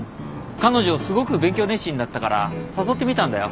彼女すごく勉強熱心だったから誘ってみたんだよ。